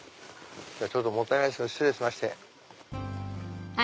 ちょっともったいないですけど失礼しまして。